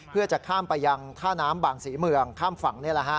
เพื่อจะข้ามไปยังท่าน้ำบางศรีเมืองข้ามฝั่ง